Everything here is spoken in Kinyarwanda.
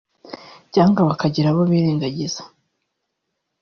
cyangwa bakagira abo birengagiza